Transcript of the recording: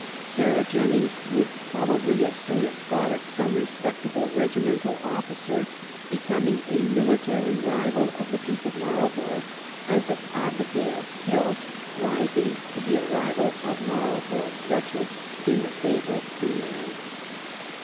S^rah Jennings would probably as soon have thought of some respect able regimental officer becoming a military rival of the 820 HABLEY, THE NATION'S GREAT SUPPORT*' Duke of Marlborough as of Abigail Hill rising to be a rival of Marlborough's Duchess in the favor of Queen Anne.